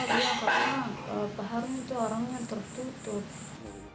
karena pak harun itu orang yang tertutup